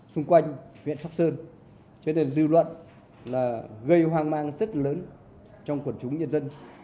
xung quanh huyện sóc sơn cho nên dư luận là gây hoang mang rất lớn trong quần chúng nhân dân